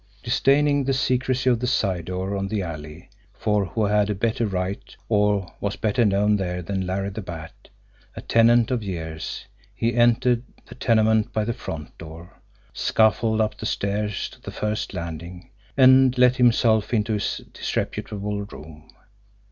Disdaining the secrecy of the side door on the alley, for who had a better right or was better known there than Larry the Bat, a tenant of years, he entered the tenement by the front door, scuffled up the stairs to the first landing, and let himself into his disreputable room.